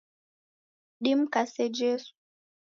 Dimkase Jesu.